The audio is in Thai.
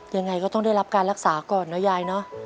ยังไงก็ต้องได้รับการรักษาก่อนนะยายเนอะ